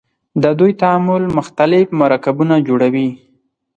د دوی تعامل مختلف مرکبونه جوړوي.